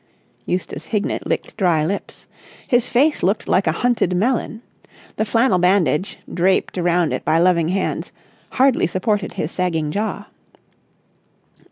Eustace Hignett licked dry lips. His face looked like a hunted melon. The flannel bandage, draped around it by loving hands, hardly supported his sagging jaw.